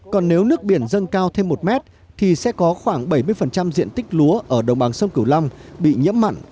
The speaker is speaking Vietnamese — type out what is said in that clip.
còn nếu nước biển dâng cao thêm một mét thì sẽ có khoảng bảy mươi diện tích lúa ở đồng bằng sông cửu long bị nhiễm mặn